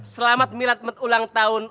selamat miladmet ulang tahun